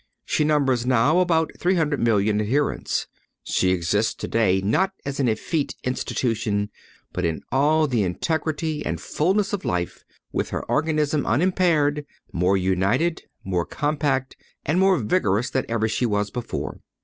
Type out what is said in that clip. She numbers now about three hundred million adherents. She exists today not an effete institution, but in all the integrity and fulness of life, with her organism unimpaired, more united, more compact and more vigorous than ever she was before.